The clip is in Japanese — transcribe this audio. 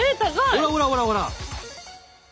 ほらほらほらほら！